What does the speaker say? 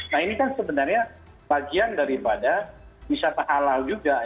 nah ini kan sebenarnya bagian daripada wisata halal juga